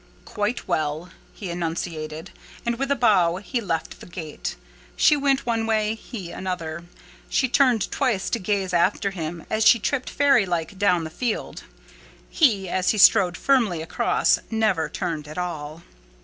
"Quite well," he enunciated; and, with a bow, he left the gate. She went one way; he another. She turned twice to gaze after him as she tripped fairy like down the field; he, as he strode firmly across, never turned at all.